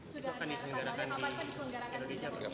sudah ada tanggalnya